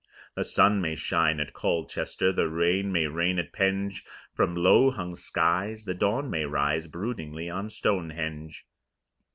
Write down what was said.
The sun may shine at Colchester, The rain may rain at Penge; From low hung skies the dawn may rise Broodingly on Stonehenge.